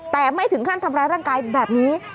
แต่ไม่ถึงขั้นทำร้ายร่างกายแบบนี้